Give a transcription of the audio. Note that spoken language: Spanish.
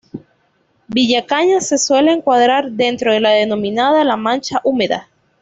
Villacañas se suele encuadrar dentro de la denominada La Mancha Húmeda.